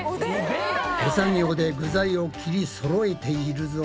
手作業で具材を切りそろえているぞ。